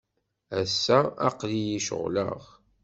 Ass-a, aql-iyi ceɣleɣ.